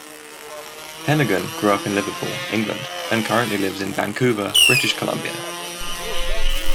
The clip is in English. Heneghan grew up Liverpool, England, and currently lives in Vancouver, British Columbia.